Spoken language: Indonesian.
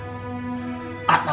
kalau kamu ngontrak